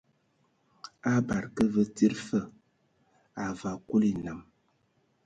A bade ka we tsid fa, a vaa Kulu enam.